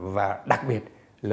và đặc biệt là